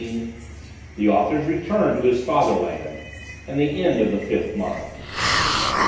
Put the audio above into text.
THE AUTHOR'S RETURN TO HIS FATHER LAND, AND THE END OF THE FIFTH MONARCHY.